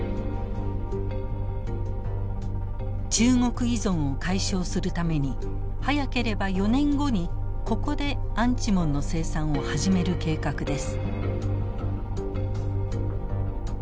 中国依存を解消するために早ければ４年後にここでアンチモンの生産を始める計画です。